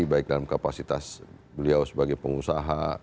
baik dalam kapasitas beliau sebagai pengusaha